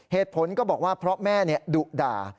เหตุผลก็บอกว่าเพราะแม่ดุด่า